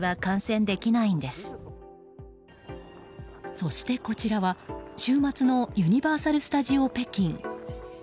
そしてこちらは、週末のユニバーサル・スタジオ・北京。